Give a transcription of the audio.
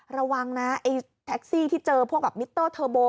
ระวังนะไอ้แท็กซี่ที่เจอพวกแบบมิเตอร์เทอร์โบ